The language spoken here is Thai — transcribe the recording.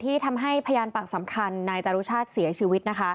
ที่ทำให้พยานปากสำคัญนายจารุชาติเสียชีวิต